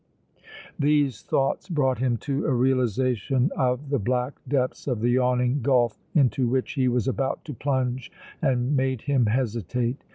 These thoughts brought him to a realization of the black depths of the yawning gulf into which he was about to plunge and made him hesitate.